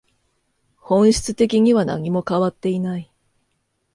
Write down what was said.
本質的には何も変わっていない